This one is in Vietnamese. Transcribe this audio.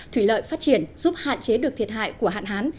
thủy lợi phát triển giúp hạn chế được thiệt hại của hạn hán